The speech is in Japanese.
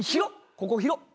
ここ広っ。